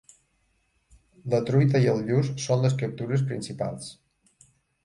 La truita i el lluç són les captures principals.